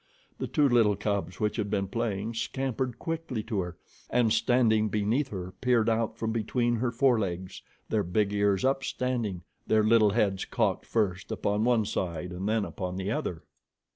The two little cubs, which had been playing, scampered quickly to her, and standing beneath her, peered out from between her forelegs, their big ears upstanding, their little heads cocked first upon one side and then upon the other.